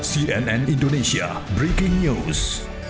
cnn indonesia breaking news